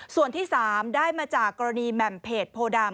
ส่วนที่๓ได้มาจากกรณีแหม่มเพจโพดำ